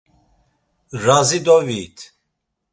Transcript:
Razi doviyit.